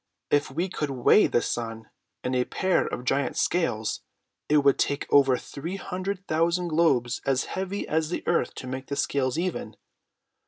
If we could weigh the sun in a pair of giant scales, it would take over three hundred thousand globes as heavy as the earth to make the scales even.